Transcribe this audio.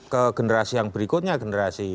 ke generasi yang berikutnya generasi